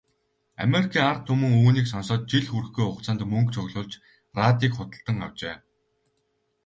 Америкийн ард түмэн үүнийг сонсоод жил хүрэхгүй хугацаанд мөнгө цуглуулж, радийг худалдан авчээ.